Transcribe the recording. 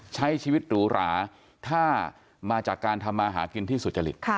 ใช้ชีวิตหรูหราถ้ามาจากการทำมาหากินที่สุจริต